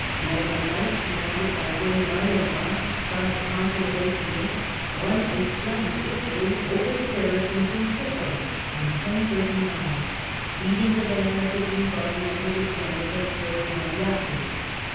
Norman knights commanded by William Iron arm, son of Tancred of Hauteville, woe a splendid victory over the Saracens in Sicily in 1039, leading the van of the Greek army under the standard of George Maniak^s.